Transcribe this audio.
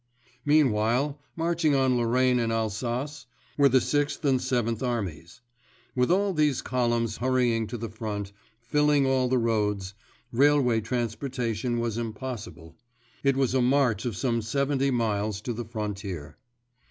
Meanwhile, marching on Lorraine and Alsace, were the Sixth and Seventh Armies. With all these columns hurrying to the front, filling all the roads, railway transportation was impossible. It was a march of some seventy miles to the frontier.